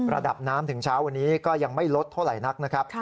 ระดับน้ำถึงเช้าวันนี้ก็ยังไม่ลดเท่าไหร่นักนะครับ